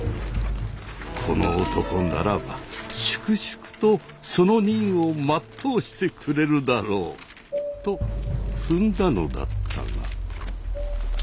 この男ならば粛々とその任を全うしてくれるだろうと踏んだのだったが。